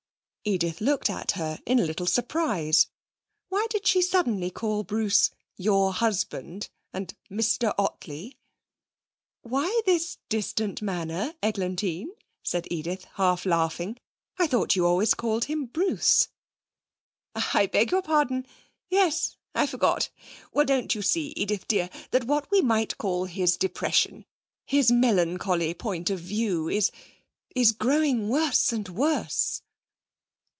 Edith looked at her in a little surprise. Why did she suddenly call Bruce 'your husband' or 'Mr. Ottley'? 'Why this distant manner, Eglantine?' said Edith, half laughing. 'I thought you always called him Bruce.' 'I beg your pardon; yes, I forgot. Well, don't you see, Edith dear, that what we might call his depression, his melancholy point of view, is is growing worse and worse?'